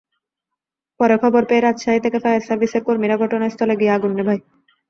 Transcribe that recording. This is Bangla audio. পরে খবর পেয়ে রাজশাহী থেকে ফায়ার সার্ভিসের কর্মীরা ঘনাস্থলে গিয়ে আগুন নেভায়।